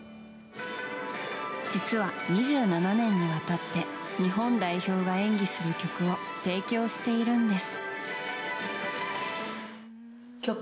実は２７年にわたって日本代表が演技する曲を提供しているんです。